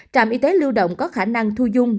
trạm y tế lưu động có khả năng thu dung